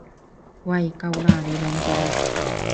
喂夠喇，你兩個！